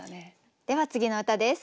では次の歌です。